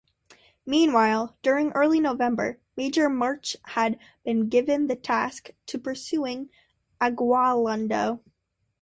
Meanwhile, during early November, Major March had been given the task of pursuing Aguinaldo.